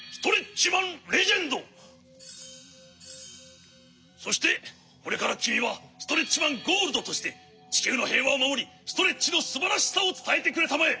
わがはいはそしてこれからきみはストレッチマン・ゴールドとしてちきゅうのへいわをまもりストレッチのすばらしさをつたえてくれたまえ。